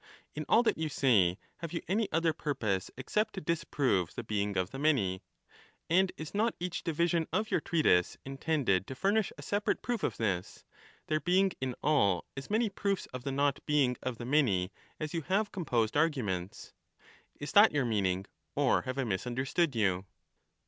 In all that you say have you any Par other purpose except to disprove the being of the many ? and is not each division of your treatise intended to furnish a ^^"*' separate proof of this, there being in all as many proofs of the not being of the many as you have composed arguments ? the same Is that your meaning, or have I misunderstood you